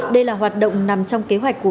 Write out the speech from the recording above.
đây là hoạt động nằm trong kế hoạch của